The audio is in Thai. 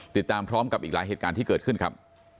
ติดตามพร้อมกับอีกหลายเหตุการณ์ที่เกิดขึ้นครับ